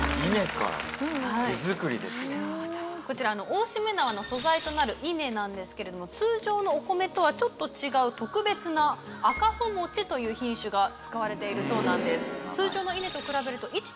大しめ縄の素材となる稲なんですけれども通常のお米とはちょっと違う特別な「赤穂もち」という品種が使われているそうなんです。